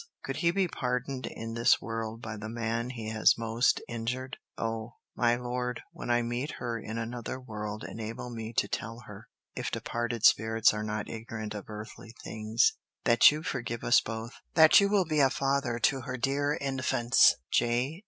Could he be pardoned in this world by the man he has most injured—oh, my lord, when I meet her in another world enable me to tell her (if departed spirits are not ignorant of earthly things) that you forgive us both, that you will be a father to her dear infants! "J.